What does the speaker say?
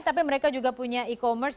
tapi mereka juga punya e commerce